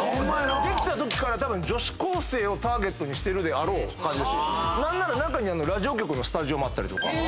できたときから女子高生をターゲットにしてるであろう感じだし何なら中にラジオ局のスタジオもあったりとか。